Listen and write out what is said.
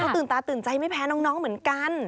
ตื่นตาตื่นใจไม่แพ้น้องเหมือนกัน